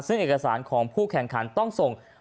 ซึ่งเอกสารของผู้แข่งขันต้องส่ง